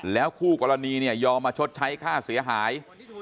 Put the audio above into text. แล้วคู่กรณีเนี่ยยอมมาชดใช้ค่าเสียหาย